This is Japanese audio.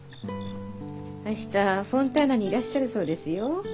明日フォンターナにいらっしゃるそうですよ。